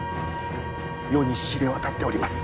世に知れ渡っております。